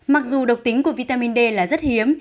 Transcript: mặc dù độc tính của vitamin d là rất hiếm